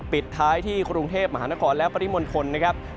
ปิดท้ายที่กรุงเทพมหานครและปริมณฑลนะครับ